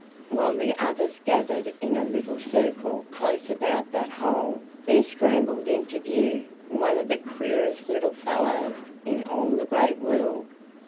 While the others gathered in a little circle close about that hole there scrambled into view one of the queerest little fellows in all the Great World.